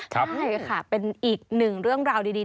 ใช่ค่ะเป็นอีกหนึ่งเรื่องราวดี